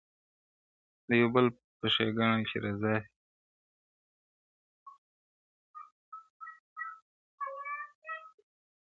د یوه بل په ښېګڼه چي رضا سي-